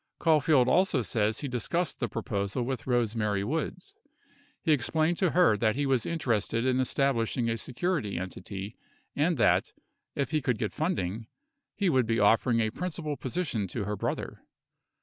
Caulfield also says he discussed the proposal with Rose Mary Woods. He explained to her that he was interested in establishing a security entity and that, if he could get funding, he would be offering a principal position to her brother.